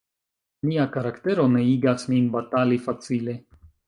Mia karaktero ne igas min batali facile.